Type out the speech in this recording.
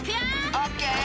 オッケー！